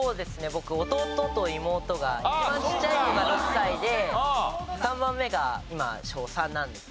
僕弟と妹が一番ちっちゃい子が６歳で３番目が今小３なんです。